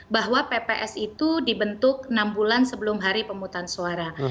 bahwa pps itu dibentuk enam bulan sebelum hari pemutusan suara